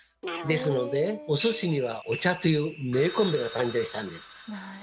ですのでお寿司にはお茶という名コンビが誕生したんです。